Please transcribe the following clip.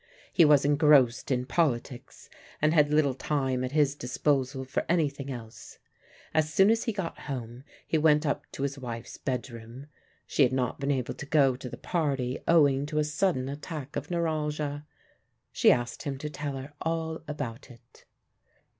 He was engrossed in politics, and had little time at his disposal for anything else. As soon as he got home he went up to his wife's bedroom; she had not been able to go to the party owing to a sudden attack of neuralgia. She asked him to tell her all about it.